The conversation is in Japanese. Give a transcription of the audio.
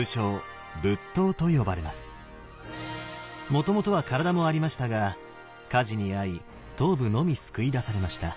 もともとは体もありましたが火事に遭い頭部のみ救い出されました。